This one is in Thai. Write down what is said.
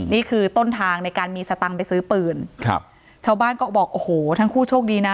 นี่คือต้นทางในการมีสตังค์ไปซื้อปืนครับชาวบ้านก็บอกโอ้โหทั้งคู่โชคดีนะ